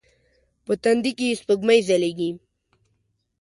په تندې کې یې سپوږمۍ ځلیږې